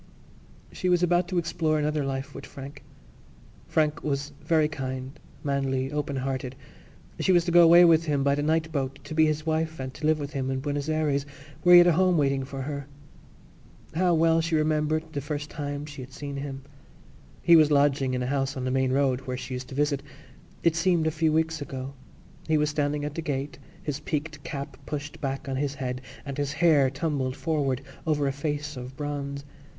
She was about to explore another life with Frank. Frank was very kind, manly, open hearted. She was to go away with him by the night boat to be his wife and to live with him in Buenos Ayres where he had a home waiting for her. How well she remembered the first time she had seen him; he was lodging in a house on the main road where she used to visit. It seemed a few weeks ago. He was standing at the gate, his peaked cap pushed back on his head and his hair tumbled forward over a face of bronze.